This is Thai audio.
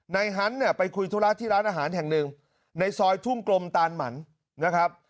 ฮันต์เนี่ยไปคุยธุระที่ร้านอาหารแห่งหนึ่งในซอยทุ่งกลมตานหมันนะครับ